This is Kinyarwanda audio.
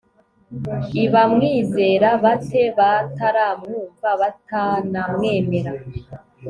i bamwizera bate bataramwumva batanamwemera